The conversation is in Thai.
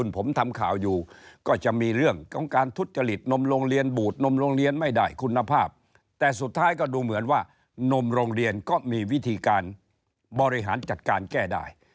ผมทำข่าวอยู่ก็จะมีเรื่องของการทุจริตนมโรงเรียนบูดนมโรงเรียนไม่ได้คุณภาพแต่สุดท้ายก็ดูเหมือนว่านมโรงเรียนก็มีวิธีการบริหารจัดการแก้ได้